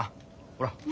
ほら。